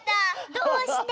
どうして。